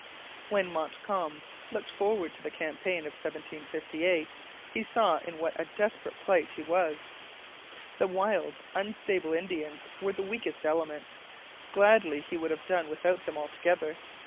When Montcalm looked forward to the campaign of 1758, he saw in what a desperate plight he was. The wild, unstable Indians were the weakest element. Gladly would he have done without them altogether.